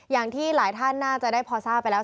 อย่างที่หลายท่านน่าจะได้พอทราบไปแล้ว